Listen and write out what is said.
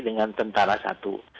dengan tentara satu